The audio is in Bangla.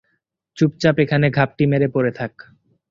চুপচাপ এখানে ঘাপটি মেরে পড়ে থাক।